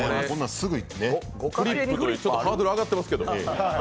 フリップでハードル上がってますけど。